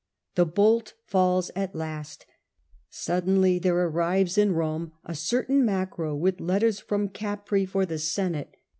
The bolt falls at last, Suddenly there arrives in Rome a certain Macro with letters from Capreae for the Senate.